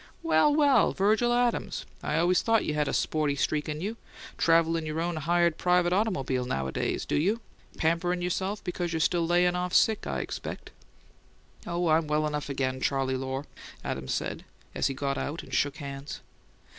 "Well, well, Virgil Adams! I always thought you had a sporty streak in you. Travel in your own hired private automobile nowadays, do you? Pamperin' yourself because you're still layin' off sick, I expect." "Oh, I'm well enough again, Charley Lohr," Adams said, as he got out and shook hands.